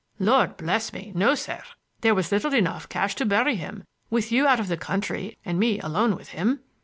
"Lord bless me, no, sir! There was little enough cash to bury him, with you out of the country and me alone with him."